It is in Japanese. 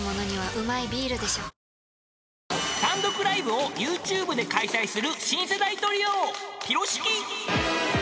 糖質ゼロ［単独ライブをＹｏｕＴｕｂｅで開催する新世代トリオ］